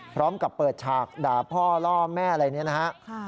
พร้อมกับเปิดฉากด่าพ่อล่อแม่อะไรเนี่ยนะฮะ